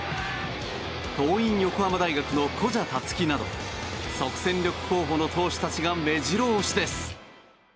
桐蔭横浜大学の古謝樹など即戦力候補の投手たちが目白押しです。